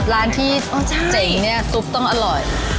ร้านที่เจ๋งเนี่ยซุปต้องอร่อย